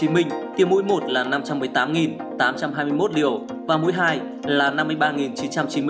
mũi hai là năm mươi ba chín trăm chín mươi liều